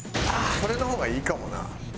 それの方がいいかもな。